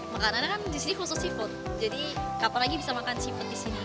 makanannya kan di sini khusus seafood jadi kapan lagi bisa makan seafood di sini